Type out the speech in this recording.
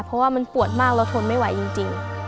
เพราะว่ามันปวดมากเราทนไม่ไหวจริง